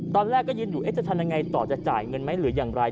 ตอนแรกก็ยืนอยู่จะทำยังไงต่อจะจ่ายเงินไหมหรืออย่างไร